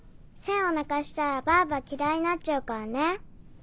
千を泣かしたらバーバ嫌いになっちゃうからね。